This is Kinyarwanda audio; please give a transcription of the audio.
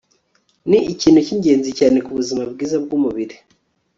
ni ikintu cyingenzi cyane ku buzima bwiza bwumubiri